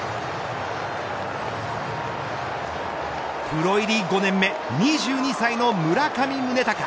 プロ入り５年目２２歳の村上宗隆。